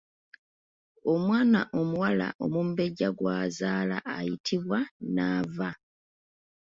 Omwana omuwala omumbejja gw’azaala ayitibwa Nnaava.